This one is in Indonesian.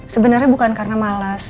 sebenarnya bukan karena malas